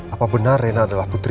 apa benar rena adalah putri